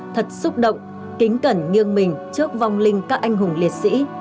thật xúc động kính cẩn nghiêng mình trước vong linh các anh hùng liệt sĩ